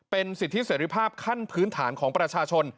เป็นสิทธิเสรีภาพขั้นพื้นฐานของประชาชน